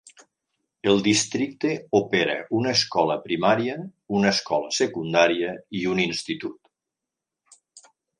El districte opera una escola primària, una escola secundària i un institut.